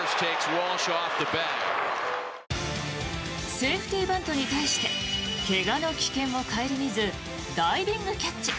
セーフティーバントに対して怪我の危険を顧みずダイビングキャッチ。